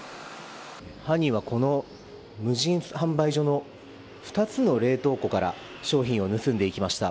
犯人は、この無人販売所の２つの冷凍庫から商品を盗んでいきました。